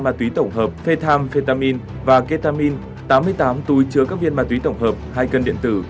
mà túy tổng hợp phetam phetamin và ketamin tám mươi tám túi chứa các viên mà túy tổng hợp hai cân điện tử